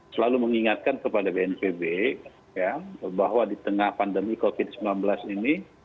selalu mengingatkan kepada bnpb bahwa di tengah pandemi covid sembilan belas ini